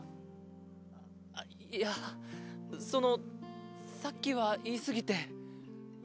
あっいやそのさっきはいいすぎて。